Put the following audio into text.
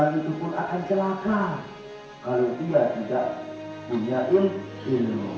kalau tidak kita minjain ilmu